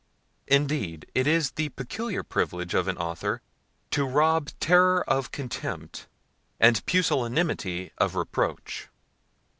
Indeed, it is the peculiar privilege of an author, to rob terror of contempt, and pusillanimity of reproach.